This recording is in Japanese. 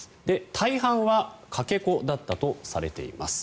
大半はかけ子だったとされています。